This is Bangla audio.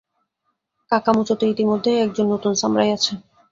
কাকামুচোতে ইতিমধ্যেই একজন নতুন সামরাই আছে।